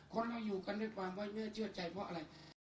คนเราอยู่กันด้วยความไว้เนื้อเชื่อใจเพราะอะไร